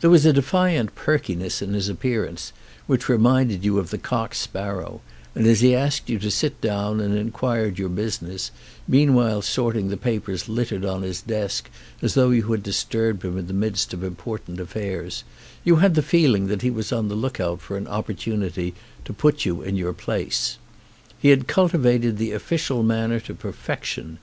There was a defiant perkiness in his appearance which reminded you of the cock sparrow, and as he asked you to sit down and inquired your business, mean while sorting the papers littered on his desk as though you had disturbed him in the midst of im portant affairs, you had the feeling that he was on the look out for an opportunity to put you in your place. He had cultivated the official man ner to perfection.